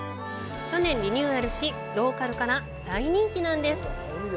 去年リニューアルし、ローカルから大人気なんです。